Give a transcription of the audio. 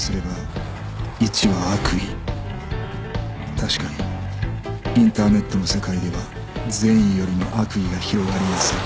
確かにインターネットの世界では善意よりも悪意が広がりやすい